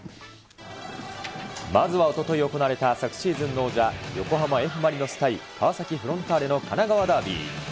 まずはおととい行われた昨シーズンの王者、横浜Ｆ・マリノス対川崎フロンターレの神奈川ダービー。